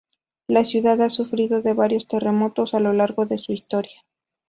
La ciudad ha sufrido de varios terremotos a lo largo de su historia.